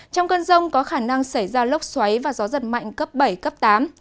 trong cơn rông có khả năng xảy ra lốc xoáy và gió giật mạnh cấp bảy cấp tám